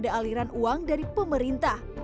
dan juga aliran uang yang diperlukan oleh pemerintah